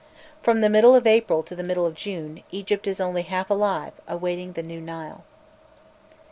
From the middle of April to the middle of June, Egypt is only half alive, awaiting the new Nile.